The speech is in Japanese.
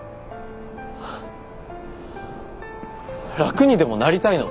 楽にでもなりたいの？